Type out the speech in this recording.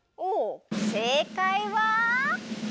せいかいは？